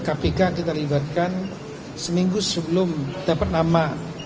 kpk kita libatkan seminggu sebelum dapat nama